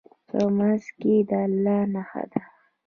په منځ کې یې د الله نښه ده.